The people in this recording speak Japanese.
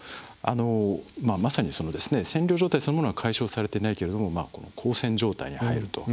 まさに占領状態そのものは解消されてないけど交戦状態に入ると。